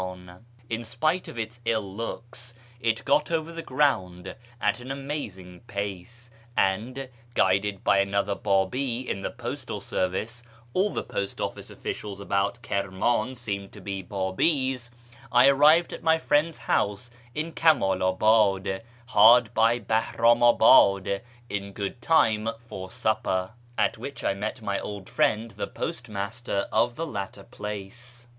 In spite of its ill looks, it got over the ground at an amazing j)ace, and, guided by another Babi in the postal service (all the post office officials about Kirman seemed to be Babis), I arrived at my friend's house in Kamalabad, hard by Bahramabad, in good time for supper, at which I met my old friend the postmaster of the latter place.